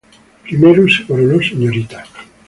Primero se coronó Srta.